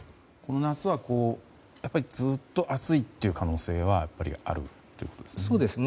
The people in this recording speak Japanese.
夏はずっと暑いという可能性はあるということですか。